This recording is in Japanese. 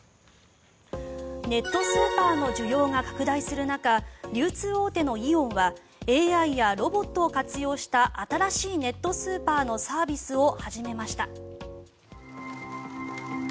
ネットスーパーの需要が拡大する中流通大手のイオンはＡＩやロボットを活用した新しいネットスーパーのサービスを始めました。